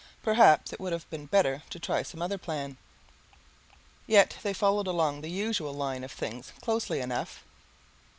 Perhaps it would have been better to try some other plan. Yet they followed along the usual line of things closely enough.